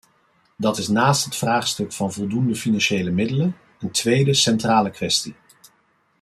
Dat is naast het vraagstuk van voldoende financiële middelen een tweede centrale kwestie.